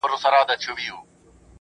فکر مي وران دی حافظه مي ورانه ,